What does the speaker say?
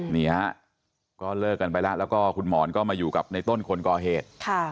นี่ฮะก็เลิกกันไปแล้วแล้วก็คุณหมอนก็มาอยู่กับในต้นคนก่อเหตุ